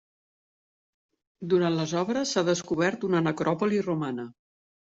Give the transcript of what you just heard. Durant les obres s'ha descobert una necròpoli romana.